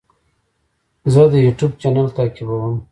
زه د یوټیوب چینل تعقیبوم.